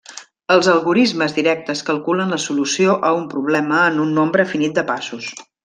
Els algorismes directes calculen la solució a un problema en un nombre finit de passos.